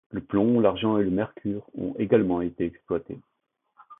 Le plomb, l'argent et le mercure ont également été exploités.